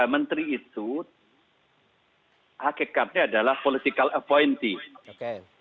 menteri itu hakikatnya adalah political appointee